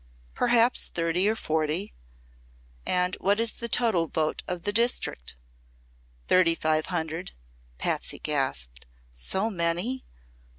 "Perhaps thirty or forty." "And what is the total vote of the district?" "Thirty five hundred." Patsy gasped. "So many?"